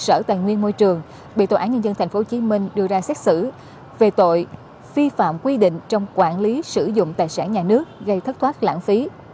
ông nguyễn hữu tín đưa ra xét xử về tội phi phạm quy định trong quản lý sử dụng tài sản nhà nước gây thất thoát lãng phí